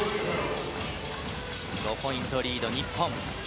５ポイントリード、日本。